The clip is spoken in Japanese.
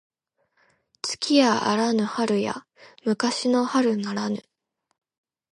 月やあらぬ春や昔の春ならぬ